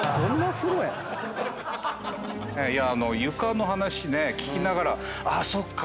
床の話ね聞きながらあっそっか！